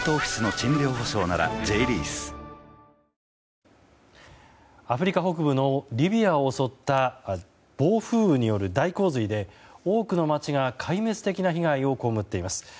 本麒麟アフリカ北部のリビアを襲った暴風雨による大洪水で多くの街が壊滅的な被害を被っています。